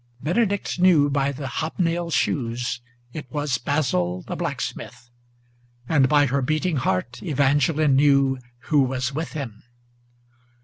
Benedict knew by the hob nailed shoes it was Basil the blacksmith, And by her beating heart Evangeline knew who was with him.